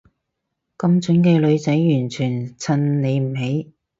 咁蠢嘅女仔完全襯你唔起